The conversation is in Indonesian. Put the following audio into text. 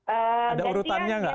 ada urutannya nggak